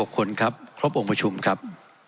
๖คนครับครบองค์ประชุมครับ